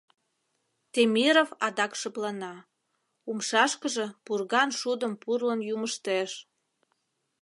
Темиров адак шыплана, умшашкыже пурган шудым пурлын юмыштеш.